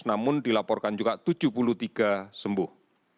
namun dilaporkan juga tujuh puluh tiga sembuh